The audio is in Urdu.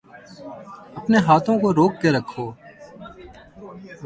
اپنے ہاتھوں کو روک کے رکھو